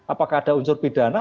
apakah ada unsur pidana